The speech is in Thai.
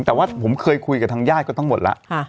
แต่ว่าผมเคยคุยกับทางญาติก็ทั้งหมดแล้ว